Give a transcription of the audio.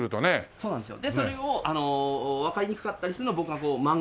そうなんですよ。